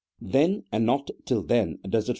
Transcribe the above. Then, and not till then, does it first CHAP.